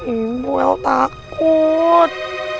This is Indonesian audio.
ibu el takut